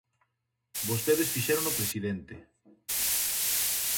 Vostedes fixérono presidente.